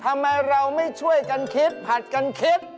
ทำไมเราไม่ช่วยกันคิดผัดกันคิด